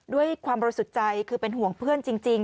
ด้วยความบริสุทธิ์ใจคือเป็นห่วงเพื่อนจริง